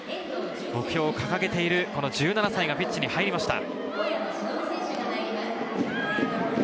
目標を掲げている１７歳がピッチに入りました。